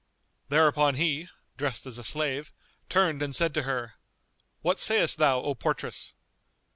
Thereupon he (dressed as a slave) turned and said to her, "What sayest thou, O portress?"